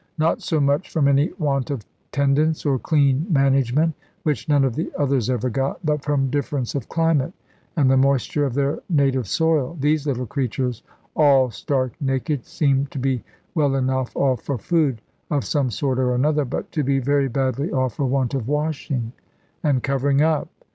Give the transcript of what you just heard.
Not so much from any want of tendance or clean management, which none of the others ever got; but from difference of climate, and the moisture of their native soil. These little creatures, all stark naked, seemed to be well enough off for food, of some sort or another, but to be very badly off for want of washing and covering up.